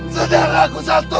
sedih aku satu